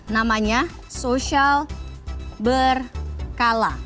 namanya social berkala